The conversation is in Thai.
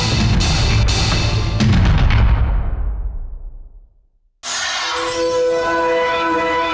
โปรดติดตามตอนต่อไป